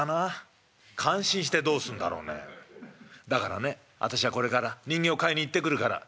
だからね私はこれから人形を買いに行ってくるから」。